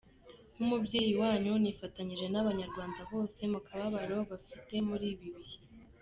Nk’umubyeyi wanyu nifatanije n’abanyarwanda bose mukababaro bafite muri ibi bihe.